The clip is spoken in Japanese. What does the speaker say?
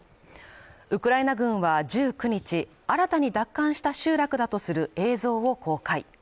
ウクライナ軍は１９日、新たに奪還した集落だとする映像を公開。